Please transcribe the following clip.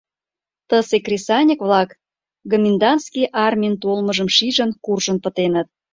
Тысе кресаньык-влак, гоминданский армийын толмыжым шижын, куржын пытеныт.